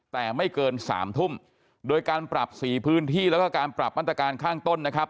แต่ไม่เกินสามทุ่มโดยการปรับสี่พื้นที่แล้วก็การปรับมาตรการข้างต้นนะครับ